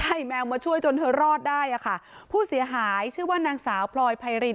ใช่แมวมาช่วยจนเธอรอดได้อ่ะค่ะผู้เสียหายชื่อว่านางสาวพลอยไพริน